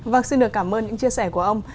vâng xin được cảm ơn những chia sẻ của ông